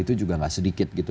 itu juga gak sedikit gitu